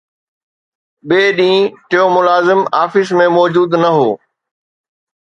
ٻئي ڏينهن، ٽيون ملازم آفيس ۾ موجود نه هو